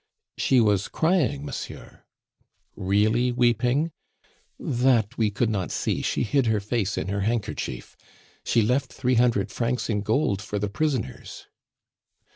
"She was crying, monsieur." "Really weeping?" "That we could not see, she hid her face in her handkerchief. She left three hundred francs in gold for the prisoners."